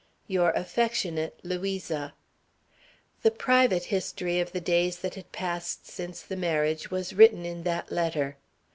"Your affectionate LOUISA." The private history of the days that had passed since the marriage was written in that letter.